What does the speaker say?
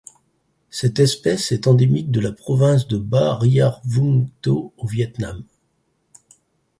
Cette espèce est endémique de la province de Bà Rịa-Vũng Tàu au Viêt Nam.